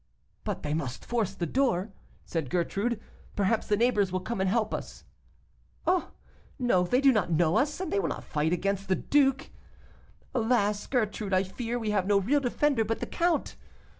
'But they must force the door,' said Gertrude, 'perhaps the neighbors will come and help us.' 'Oh! no, they do not know us, and they will not fight against the duke. Alas! Gertrude, I fear we have no real defender but the count.